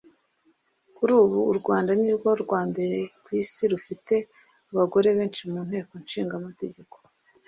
Kuri ubu u Rwanda nirwo rwa mbere ku Isi rufite abagore benshi mu Nteko Nshingamategeko